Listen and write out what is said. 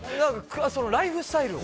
そのライフスタイルを。